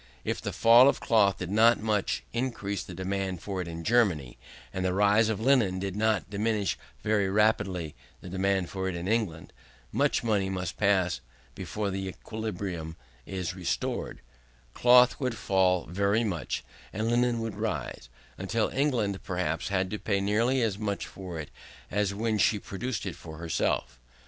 If the fall of cloth did not much increase the demand for it in Germany, and the rise of linen did not diminish very rapidly the demand for it in England, much money must pass before the equilibrium is restored; cloth would fall very much, and linen would rise, until England, perhaps, had to pay nearly as much for it as when she produced it for herself.